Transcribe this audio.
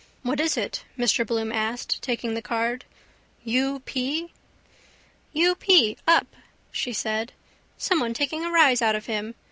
—What is it? Mr Bloom asked, taking the card. U. P.? —U. p: up, she said. Someone taking a rise out of him.